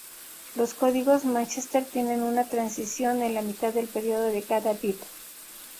Los códigos Manchester tienen una transición en la mitad del periodo de cada bit.